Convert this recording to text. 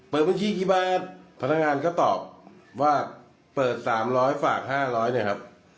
บัญชีกี่บาทพนักงานก็ตอบว่าเปิด๓๐๐ฝาก๕๐๐เนี่ยครับ